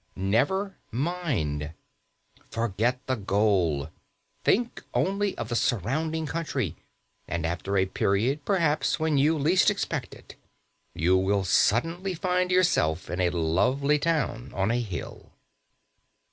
Never mind. Forget the goal; think only of the surrounding country; and after a period, perhaps when you least expect it, you will suddenly find yourself in a lovely town on a hill.